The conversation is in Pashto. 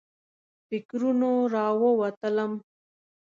فکرونو راووتلم.